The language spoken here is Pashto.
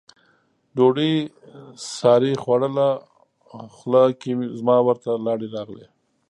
ډوډۍ سارې خوړله، خوله کې زما ورته لاړې راغلې.